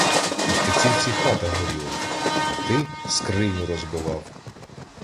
У Стецівці хата горіла, а ти скриню розбивав.